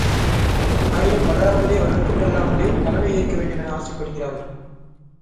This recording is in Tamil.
ஆயினும், வளராமலே வளர்த்துக் கொள்ளாமலே தலைமை ஏற்க வேண்டும் என ஆசைப்படுகிறார்கள்!